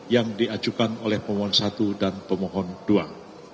yang diajukan oleh pemohon satu dan pemohon dua